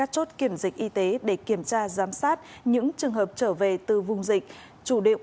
chốt kiểm dịch y tế để kiểm tra giám sát những trường hợp trở về từ vùng dịch